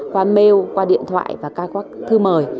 qua mail qua điện thoại và ca qua các thư mời